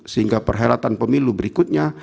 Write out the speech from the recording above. sehingga perhelatan pemilu berikutnya